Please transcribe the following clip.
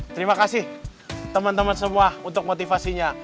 terima kasih temen temen semua untuk motivasinya